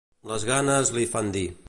Les ganes l'hi fan dir.